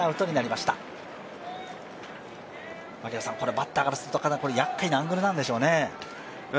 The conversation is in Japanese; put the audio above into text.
バッターからするとやっかいなアングルなんでしょうね。